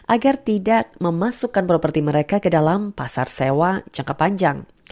agar tidak memasukkan properti mereka ke dalam pasar sewa jangka panjang